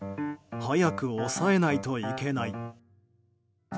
早く押さえないといけない。